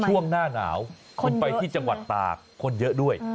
ช่วงหน้าหนาวคุณไปที่จังหวัดตากคนเยอะด้วย